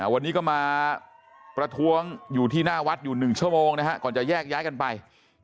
วันนี้ก็มาประท้วงอยู่ที่หน้าวัดอยู่๑ชั่วโมงก่อนจะแยกย้ายกันไป